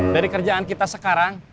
dari kerjaan kita sekarang